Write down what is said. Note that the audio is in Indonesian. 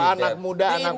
ada anak muda anak muda